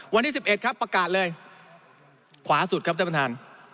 วันที่สิบเอ็ดครับประกาศเลยคว้าสุดครับท่านประทาน